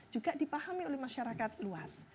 juga dipahami oleh masyarakat luas